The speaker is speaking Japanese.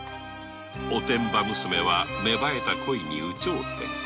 おてんば娘は芽生えた恋に有頂天。